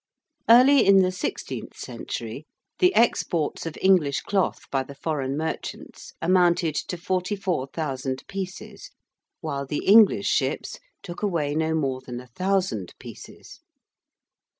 Early in the sixteenth century the exports of English cloth by the foreign merchants amounted to 44,000 pieces, while the English ships took away no more than 1,000 pieces.